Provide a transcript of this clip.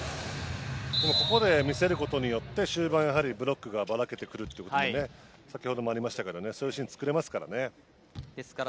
ここで見せることによって終盤、ブロックがばらけてくるということも先ほどもありましたけどそういうシーンを作れますからね。